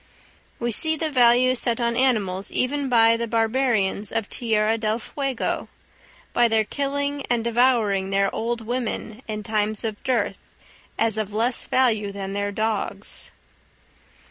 We see the value set on animals even by the barbarians of Tierra del Fuego, by their killing and devouring their old women, in times of dearth, as of less value than their dogs.